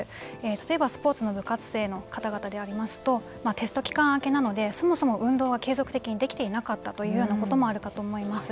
例えばスポーツの部活動の方々でありますとテスト期間明けなのでそもそも運動は継続的にできていなかったということもあると思います。